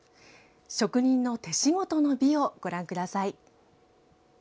職人の手仕事の美をご覧ください。